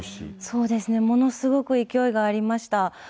そうですね、ものすごく勢いがありました。